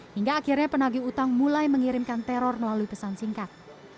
hingga akhirnya penagih utang mulai mengirimkan teror melalui pesan singkat